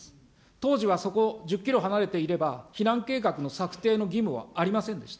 当時はそこ１０キロ離れていれば、避難計画の策定の義務はありませんでした。